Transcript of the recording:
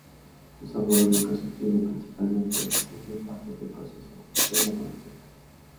Su sabor único se obtiene principalmente en dos partes del proceso de elaboración.